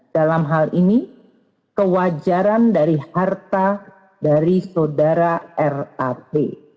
dalam hal ini kewajaran dari harta dari sodara rap